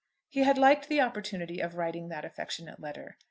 He had liked the opportunity of writing that affectionate letter.